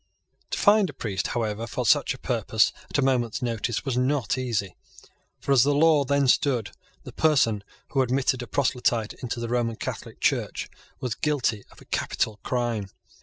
To find a priest, however, for such a purpose, at a moment's notice, was not easy. For, as the law then stood, the person who admitted a proselyte into the Roman Catholic Church was guilty of a capital crime.